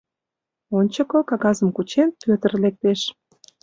Ончыко, кагазым кучен, Пӧтыр лектеш.